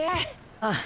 ああ。